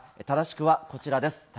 正しくはこちらです。